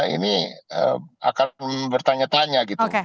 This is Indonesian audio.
ini akan bertanya tanya gitu